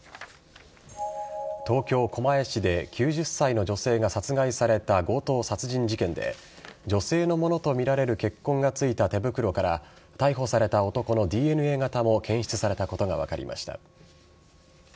東京・狛江市で９０歳の女性が殺害された強盗殺人事件で女性のものとみられる血痕がついた手袋から逮捕された男のＤＮＡ型も検出されたことが分かりました。